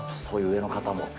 そういう上の方も。